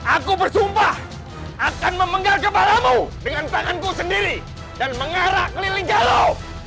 aku bersumpah akan memenggar kebaramu dengan tanganku sendiri dan mengarah keliling jalu